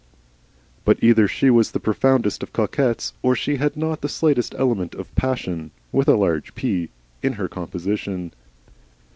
But either she was the profoundest of coquettes or she had not the slightest element of Passion (with a large P) in her composition.